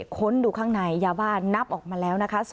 ค้นดูข้างในยาบ้านนับออกมาแล้วนะคะ